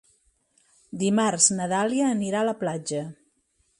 Dimarts na Dàlia anirà a la platja.